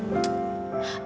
apa tuh pak